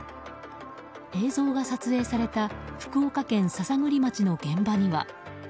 映像が撮影された福岡県篠栗町の現場には。